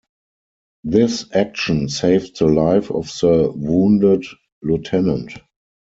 This action saved the life of the wounded lieutenant.